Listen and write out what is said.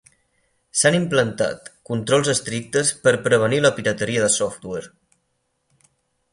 S'han implantat controls estrictes per prevenir la pirateria de software.